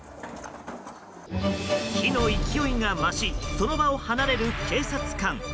火の勢いが増しその場を離れる警察官。